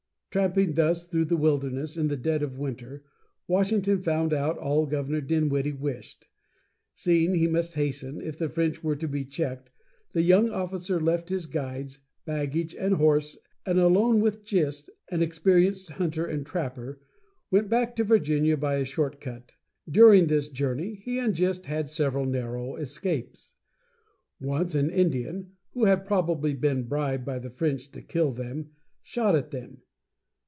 Tramping thus through the wilderness in the dead of winter, Washington found out all Governor Dinwiddie wished. Seeing he must hasten, if the French were to be checked, the young officer left his guides, baggage, and horses, and, alone with Gist, an experienced hunter and trapper, went back to Virginia by a short cut. During this journey he and Gist had several narrow escapes. Once an Indian who had probably been bribed by the French to kill them shot at them.